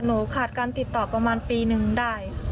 ขาดการติดต่อประมาณปีนึงได้